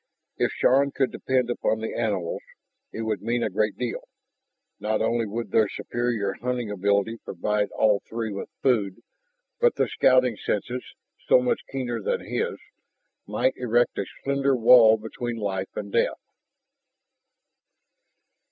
If Shann could depend upon the animals, it would mean a great deal. Not only would their superior hunting ability provide all three with food, but their scouting senses, so much keener than his, might erect a slender wall between life and death.